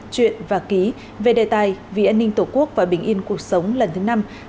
chuyện và ký về đề tài vì an ninh tổ quốc và bình yên cuộc sống lần thứ năm hai nghìn hai mươi hai hai nghìn hai mươi hai